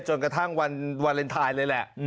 จนกระทั่งวันวาเลนไทยเลยแหละ